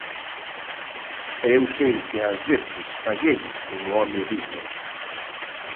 E eu sei que ás veces fallei como home digno.